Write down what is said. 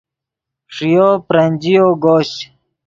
ݰییو برنجییو گوشچ